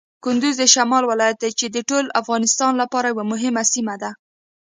کندز د شمال ولایت دی چې د ټول افغانستان لپاره یوه مهمه سیمه ده.